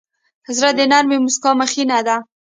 زړه د نرمې موسکا مخینه ده.